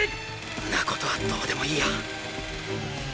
んなことはどでもいいや